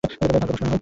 ভাগ্য প্রস্ন হোক।